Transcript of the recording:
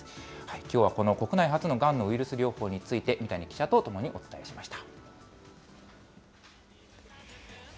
きょうはこの国内初のがんのウイルス療法について、三谷記者とともにお伝えしました。